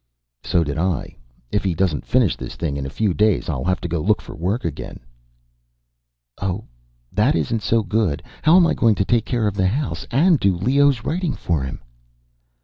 "So did I. If he doesn't finish this thing in a few days, I'll have to go look for work again." "Oh. That isn't so good. How am I going to take care of the house and do Leo's writing for him?"